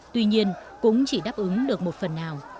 tuy nhiên cũng chỉ đáp ứng được một phần nào